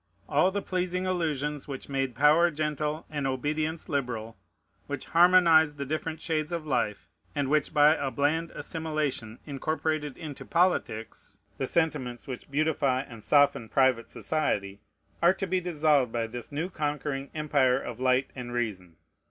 All the pleasing illusions which made power gentle and obedience liberal, which harmonized the different shades of life, and which by a bland assimilation incorporated into politics the sentiments which beautify and soften private society, are to be dissolved by this new conquering empire of light and reason.